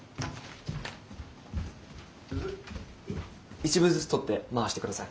１部ずつ取って回してください。